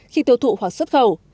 khi tiêu thụ hoặc xuất khẩu